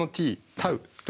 タウ？